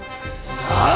ああ！